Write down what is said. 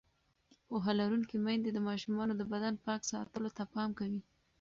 پوهه لرونکې میندې د ماشومانو د بدن پاک ساتلو ته پام کوي.